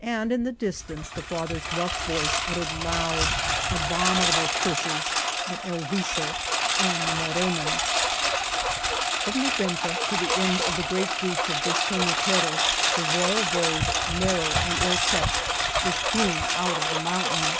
And in the distance the father's rough voice uttered loud, abominable curses at El Viso and the Morenans. 235 Venta de Cardenas From the Venta to the end of the great breach of Despenaperros the Royal Road, narrow and ill kept, is hewn out of the mountain.